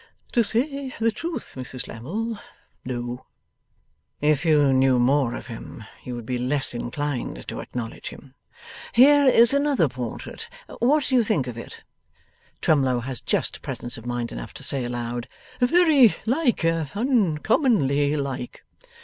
'To say the truth, Mrs Lammle, no.' 'If you knew more of him, you would be less inclined to acknowledge him. Here is another portrait. What do you think of it?' Twemlow has just presence of mind enough to say aloud: 'Very like! Uncommonly like!